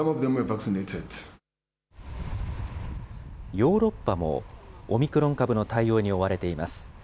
ヨーロッパも、オミクロン株の対応に追われています。